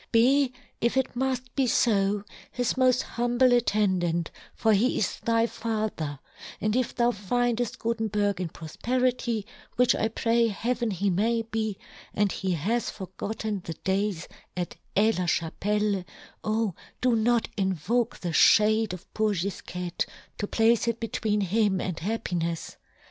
—* Be, if it muft be fo, his moft humble attendant, for he is thy father ; and if thou findeft Gutenberg in profperity, which I pray Heaven he may be, and he has forgotten the days at Aix la Chapelle, oh, do not invoke the fhade of poor Gif quette to place it between him and happinefs